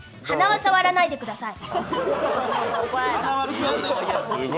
鼻は触らないでください！